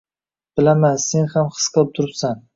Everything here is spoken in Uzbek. Bilaman sen ham his qilib turibsan.